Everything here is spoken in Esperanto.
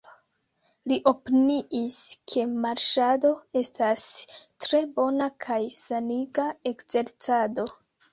Li opiniis, ke marŝado estas tre bona kaj saniga ekzercado.